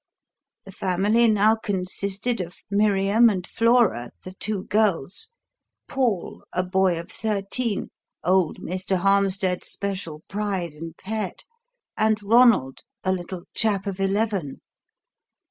The family now consisted of Miriam and Flora, the two girls, Paul, a boy of thirteen old Mr. Harmstead's special pride and pet and Ronald, a little chap of eleven.